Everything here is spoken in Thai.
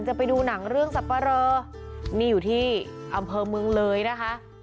ไปดูหนังเรื่องสับปะเรอนี่อยู่ที่อำเภอเมืองเลยนะคะ